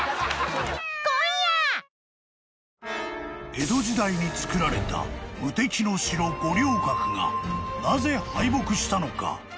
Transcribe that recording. ［江戸時代に造られた無敵の城五稜郭がなぜ敗北したのか］